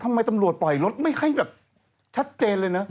ตำรวจปล่อยรถไม่ให้แบบชัดเจนเลยนะ